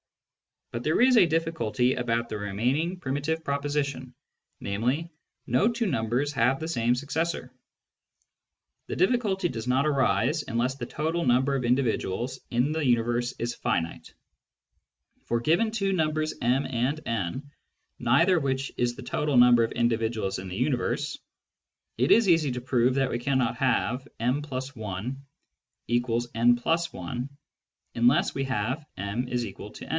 But there is a difficulty about the remaining primitive proposition, namely, " no two numbers have the same successor." The difficulty does not arise unless the total number of individuals in the universe is finite ; for given two numbers m and n, neither of which is the total number of individuals in the universe, it is easy to prove that we cannot have m \ i=n \ i unless we have m—n.